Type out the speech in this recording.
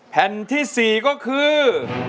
แผ่นที่๔ก็คือ